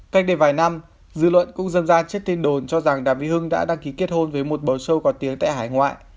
cách đây vài năm dư luận cũng dân gian chết tin đồn cho rằng đàm vĩnh hưng đã đăng ký kết hôn với một bầu sâu có tiếng tại hải ngoại